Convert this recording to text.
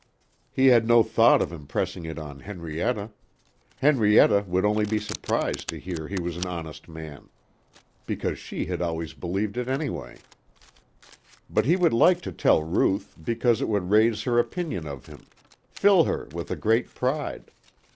He had no thought of impressing it on Henrietta. Henrietta would only be surprised to hear he was an honest man. Because she had always believed it anyway. But he would like to tell Ruth, because it would raise her opinion of him; fill her with a great pride.